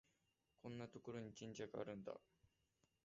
こんなところに神社があるんだ